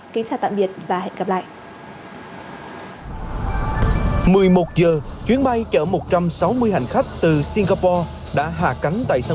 kính chào tạm biệt và hẹn gặp lại